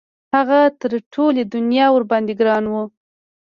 هغه تر ټولې دنیا ورباندې ګران وو.